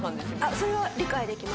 それは理解できます。